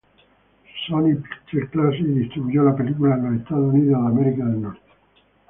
Sony Pictures Classics distribuyó la película en Estados Unidos.